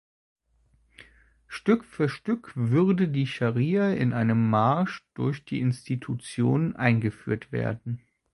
Stück für Stück würde die Scharia in einem „Marsch durch die Institutionen“ eingeführt werden.